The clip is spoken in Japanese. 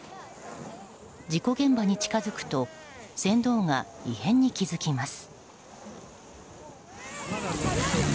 事故現場に近づくと船頭が異変に気づきます。